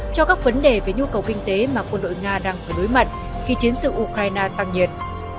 cho các vấn đề về nhu cầu kinh tế mà quân đội nga đang phải đối mặt khi chiến sự ukraine tăng nhiệt